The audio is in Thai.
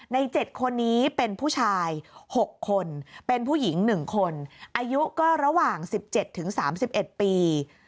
ใน๗คนนี้เป็นผู้ชาย๖คนเป็นผู้หญิง๑คนอายุก็ระหว่าง๑๗๓๑ปี